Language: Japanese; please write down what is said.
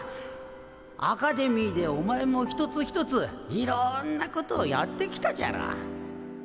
アカデミーでお前も一つ一ついろんなことをやってきたじゃろ？